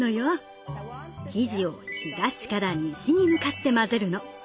生地を東から西に向かって混ぜるの。